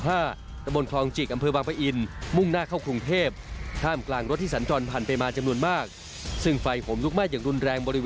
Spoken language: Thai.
และบนคลองจิกอำเภอบางปะอิน